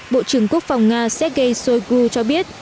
bộ trưởng quốc phòng nga sergei shoigu cho biết